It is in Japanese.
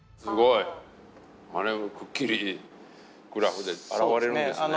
あれくっきりグラフで表れるんですね。